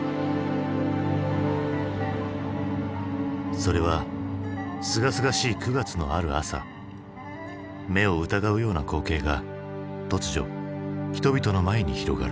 それはすがすがしい９月のある朝目を疑うような光景が突如人々の前に広がる。